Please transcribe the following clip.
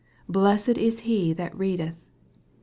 " Blessed is he that readeth." (Kev.